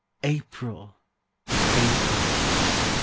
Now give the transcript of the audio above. April! April!